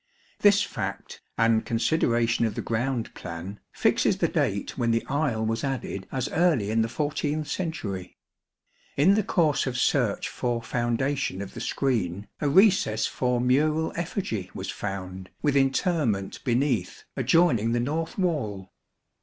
This fact, and consideration of the ground plan, fixes the date 12 when the aisle was added as early in the 14th century. In the course of search for foundation of the screen a recess for mural effigy was found with interment beneath adjoining the north wall.